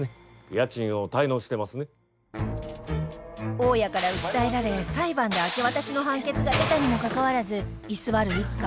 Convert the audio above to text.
大家から訴えられ裁判で明け渡しの判決が出たにもかかわらず居座る一家